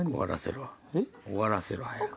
終わらせろ早く。